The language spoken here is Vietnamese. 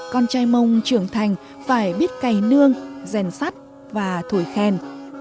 con trai mông trưởng thành phải biết cày nương rèn sắt và thổi khen